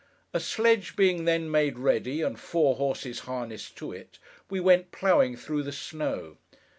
A sledge being then made ready, and four horses harnessed to it, we went, ploughing, through the snow.